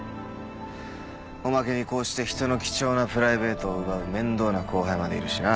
おまけにこうして人の貴重なプライベートを奪う面倒な後輩までいるしな。